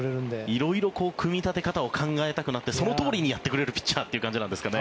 色々組み立て方を考えたくなってそのとおりにやってくれるピッチャーという感じですかね。